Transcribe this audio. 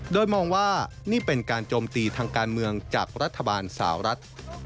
โดยมองว่านี่เป็นการโจมตีทางการเมืองจากรัฐบาลสาวรัฐ